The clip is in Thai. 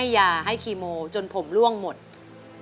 มาเพื่อลูก